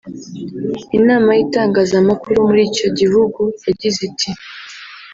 Inama y’itangazamakuru muri icyo gihugu yagize iti